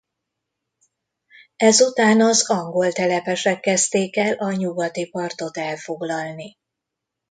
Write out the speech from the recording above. Ezután az angol telepesek kezdték el a nyugati partot elfoglalni.